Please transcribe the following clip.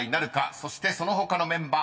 そしてその他のメンバー